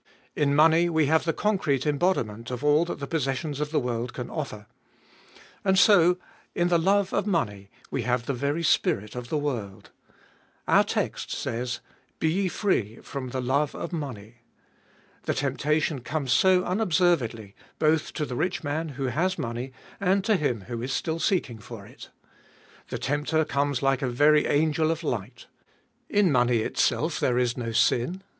In money we have the concrete embodiment of all that the possessions of the world can offer. And so in the love of money we have the very spirit of the world. Our text says : 622 Gbe ibolfest ot HIl Be ye free from the love of money. The temptation comes so unobservedly, both to the rich man who has money, and to him who is still seeking for it The tempter comes like a very angel of light In money itself there is no sin.